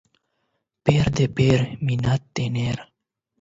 پور دي پور ، منت دي نور.